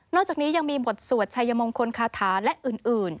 จากนี้ยังมีบทสวดชัยมงคลคาถาและอื่น